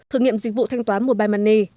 thử nghiệm dịch vụ thanh toán mobile money